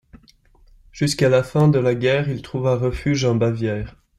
Jusqu’à la fin de la guerre, il trouva refuge en Bavière.